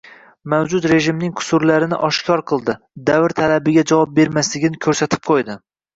va mavjud rejimning qusurlarini oshkor qildi, davr talabiga javob bermasligini ko‘rsatib qo‘ydi.